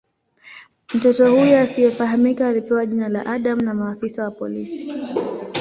Mtoto huyu asiyefahamika alipewa jina la "Adam" na maafisa wa polisi.